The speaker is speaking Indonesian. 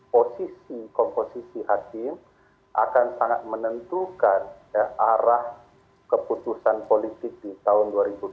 posisi komposisi hakim akan sangat menentukan arah keputusan politik di tahun dua ribu dua puluh